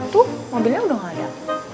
tuh mobilnya udah gak ada